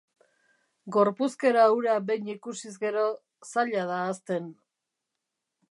Gorpuzkera hura behin ikusiz gero, zaila da ahazten.